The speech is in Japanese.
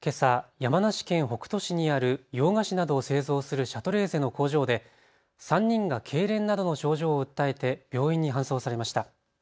山梨県北杜市にある洋菓子などを製造するシャトレーゼの工場で３人がけいれんなどの症状を訴えて病院に搬送されました。